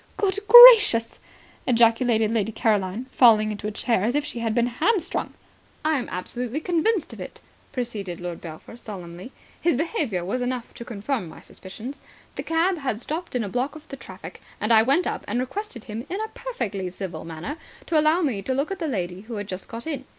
"Good gracious," ejaculated Lady Caroline, falling into a chair as if she had been hamstrung. "I am absolutely convinced of it," proceeded Lord Belpher solemnly. "His behaviour was enough to confirm my suspicions. The cab had stopped in a block of the traffic, and I went up and requested him in a perfectly civil manner to allow me to look at the lady who had just got in.